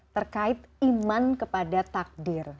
terkait iman kepada takdir